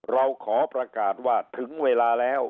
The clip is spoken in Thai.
เราขอประกาศว่าถึงเวลาแล้ว